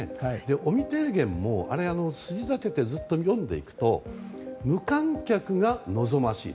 尾身提言も、あれは筋立ててずっと読んでいくと無観客が望ましい。